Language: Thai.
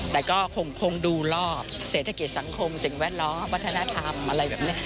แต่ก็คงดูรอบเศรษฐกิจสังคมสิ่งแวดล้อมวัฒนธรรมอะไรแบบนี้